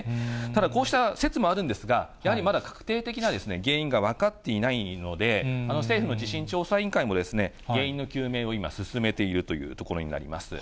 ただ、こうした説もあるんですが、やはりまだ確定的な原因が分かっていないので政府の地震調査委員会も、原因の究明を今、進めているというところになります。